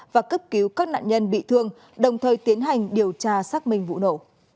và cấp cứu các nạn nhân bị thương đồng thời tiến hành điều tra xác minh vụ nổ